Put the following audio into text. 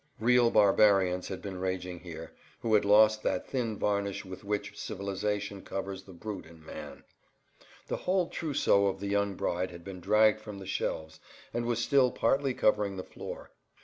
Real barbarians had been raging here, who had lost that thin varnish with which civilization covers[Pg 80] the brute in man. The whole trousseau of the young bride had been dragged from the shelves and was still partly covering the floor.